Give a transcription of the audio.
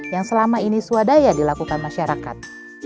yang selama ini swadaya dilakukan masyarakat